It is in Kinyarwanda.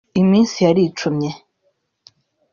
Iminsi yaricumye